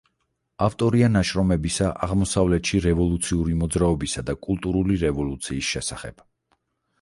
ავტორია ნაშრომებისა აღმოსავლეთში რევოლუციური მოძრაობისა და კულტურული რევოლუციის შესახებ.